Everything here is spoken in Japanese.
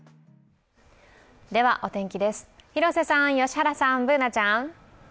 お天気です、広瀬さん、良原さん、Ｂｏｏｎａちゃん。